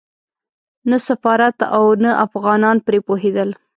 نه سفارت او نه افغانان پرې پوهېدل.